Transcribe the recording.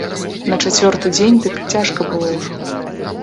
На чацвёрты дзень дык цяжка было ўжо.